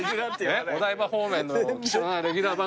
お台場方面の貴重なレギュラー番組だからさ。